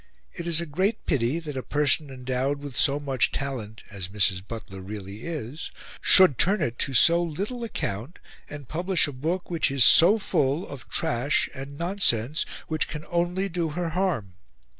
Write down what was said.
It is a great pity that a person endowed with so much talent, as Mrs. Butler really is, should turn it to so little account and publish a book which is so full of trash and nonsense which can only do her harm.